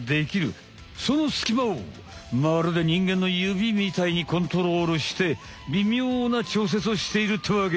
そのスキマをまるでにんげんの指みたいにコントロールしてびみょうなちょうせつをしているってわけ。